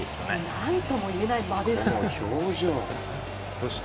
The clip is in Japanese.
なんとも言えない間でした。